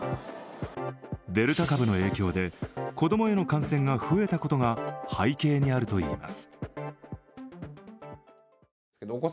デルタ株の影響で子供への感染が増えたことが背景にあるといいます。